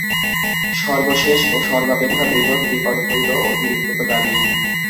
সর্বশেষ ও সর্বাপেক্ষা বৃহৎ বিপদ হইল অতিরিক্ত দাবী।